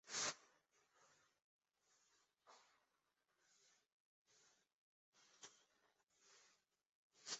Chittagong city কর্পোরেশনের পূর্বাংশে কর্ণফুলী নদীর উত্তর-পশ্চিম তীরে বাকলিয়া থানার অবস্থান।